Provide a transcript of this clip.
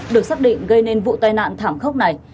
được xác định gây nên vụ tai nạn thảm khốc này